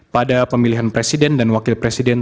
pada pemilihan presiden dan wakil presiden